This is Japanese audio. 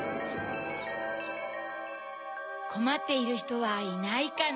こまっているひとはいないかな。